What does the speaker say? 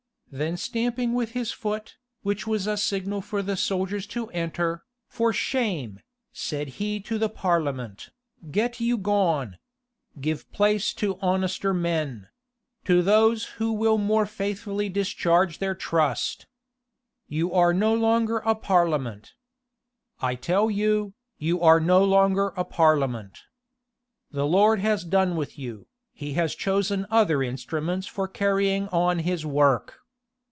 Then stamping with his foot, which was a signal for the soldiers to enter, "For shame," said he to the parliament, "get you gone: give place to honester men; to those who will more faithfully discharge their trust. You are no longer a parliament. I tell you, you are no longer a parliament. The Lord has done with you: he has chosen other instruments for carrying on his work."